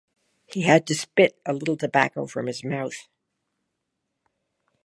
He had to spit a little tobacco from his mouth.